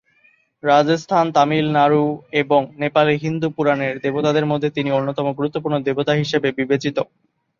রাজস্থান, তামিলনাড়ু এবং নেপালে হিন্দু পুরাণের দেবতাদের মধ্যে তিনি অন্যতম গুরুত্বপূর্ণ দেবতা হিসেবে বিবেচিত।